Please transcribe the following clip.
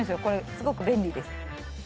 すごく便利です。